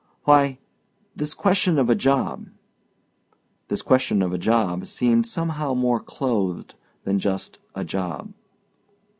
"Why this question of a job." ("This question of a job" seemed somehow more clothed than just "a job.")